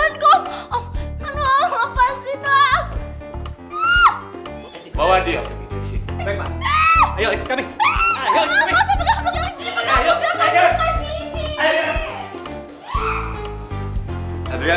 aku bisa keluar sendiri terus jalan